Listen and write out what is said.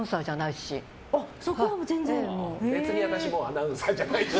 別に私もうアナウンサーじゃないし。